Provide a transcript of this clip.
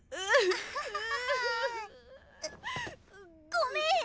ごめん！